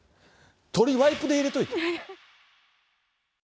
鳥、ワイプで入れといて。